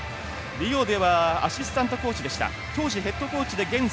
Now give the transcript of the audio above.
リオではアシスタントコーチでした。